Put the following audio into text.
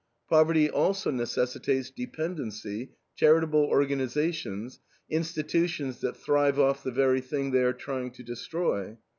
Poverty also necessitates dependency, charitable organizations, institutions that thrive off the very thing they are trying to destroy.